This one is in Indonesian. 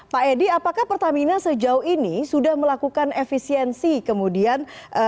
pak edi apakah pertamina sejauh ini sudah melakukan efisiensi kemudian